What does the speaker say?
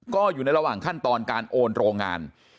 ก็อยู่ในระหว่างขั้นตอนการโอนโรงงาน